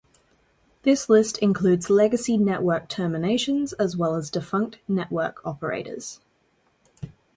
This list includes legacy network terminations as well as defunct network operators.